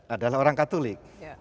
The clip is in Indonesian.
adalah orang katolik